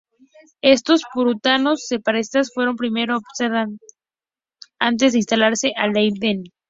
Estos puritanos "separatistas" fueron primero a Ámsterdam antes de instalarse en Leiden.